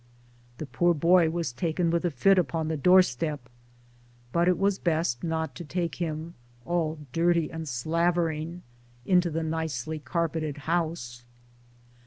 The poor boy was taken with a fit upon the doorstep, but it was best not to take him all dirty and slavering into the nicely carpeted house